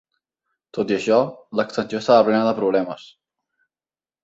Tot i això, l'extensió estava plena de problemes.